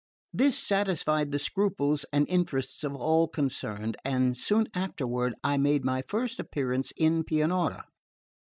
This satisfied the scruples and interests of all concerned, and soon afterward I made my first appearance in Pianura.